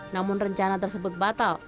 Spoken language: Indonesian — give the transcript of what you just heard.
namun rencana tersebut batal